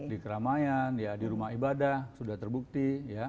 di keramaian di rumah ibadah sudah terbukti